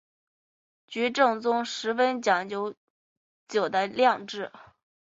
菊正宗十分讲究酒的酿制。